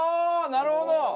なるほど！